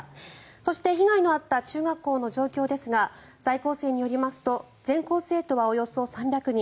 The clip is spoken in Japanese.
そして、被害のあった中学校の状況ですが在校生によりますと全校生徒はおよそ３００人